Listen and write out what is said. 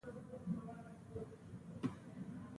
دا پرمختللی تمدن شپږ سوه کاله وروسته له منځه لاړ.